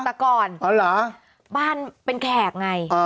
แต่ก่อนบ้านเป็นแขกไง